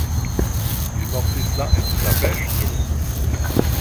Li mortis la en Budapeŝto.